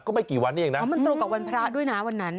ไม่กี่วันนี้เองนะเพราะมันตรงกับวันพระด้วยนะวันนั้น